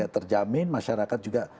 terjamin masyarakat juga